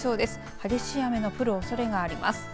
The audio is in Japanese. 激しい雨の降るおそれがあります。